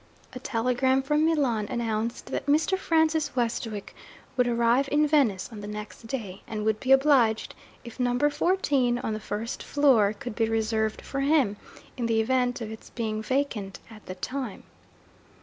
A telegram from Milan announced that Mr. Francis Westwick would arrive in Venice on the next day; and would be obliged if Number Fourteen, on the first floor, could be reserved for him, in the event of its being vacant at the time.